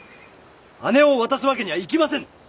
姉を渡すわけにはいきませぬ！